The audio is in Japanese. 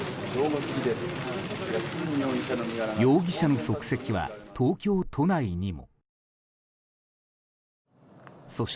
容疑者の足跡は東京都内にも。